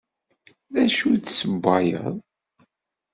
D acu i d-tessewwayeḍ?